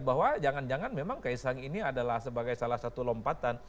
bahwa jangan jangan memang kaisang ini adalah sebagai salah satu lompatan